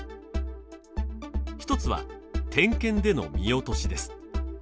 一つは点検での見落としです